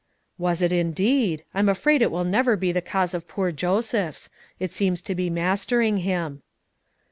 "Was it, indeed! I'm afraid it will never be the cause of poor Joseph's; it seems to be mastering him."